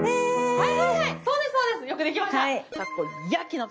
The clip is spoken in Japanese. はい。